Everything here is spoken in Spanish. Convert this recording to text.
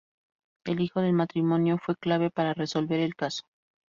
El hijo del matrimonio fue clave para resolver el caso.